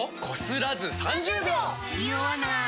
ニオわない！